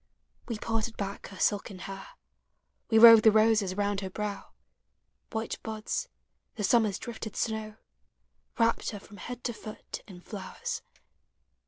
We parted back her silken hair, We wove the roses round her brow — White buds, the summer's drifted suow — Wrapt her from head to foot in flowers